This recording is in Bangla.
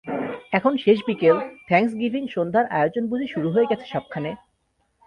এখন শেষ বিকেল, থ্যাংকস গিভিং সন্ধ্যার আয়োজন বুঝি শুরু হয়ে গেছে সবখানে।